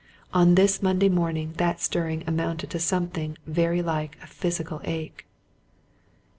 On this Monday morning that stirring amounted to something very like a physical ache.